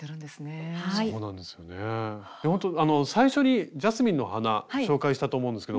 最初に「ジャスミンの花」紹介したと思うんですけど。